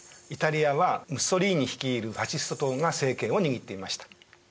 イタリアはムッソリーニ率いるファシスト党が政権を握っていました。